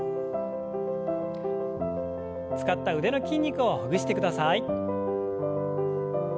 使った腕の筋肉をほぐしてください。